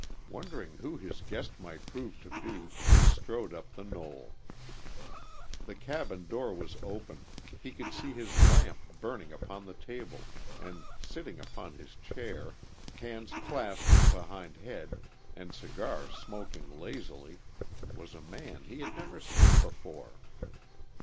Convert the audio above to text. Wondering who his guest might prove to be he strode up the knoll. The cabin door was open, he could see his lamp burning upon the table, and sitting upon his chair, hands clasped behind head and cigar smoking lazily, was a man he had never seen before.